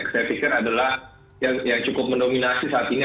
cenderung cukup stabil ya